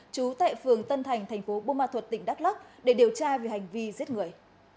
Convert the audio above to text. trú tại phường tân thành thành phố bô ma thuật tỉnh đắk lắc để điều tra về hành vi giết người